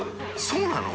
そうなの？